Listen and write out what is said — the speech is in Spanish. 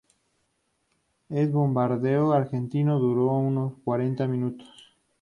El bombardeo argentino duró unos cuarenta minutos.